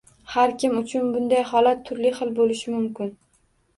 Har kim uchun bunday holat turli hil bo’lishi mumkin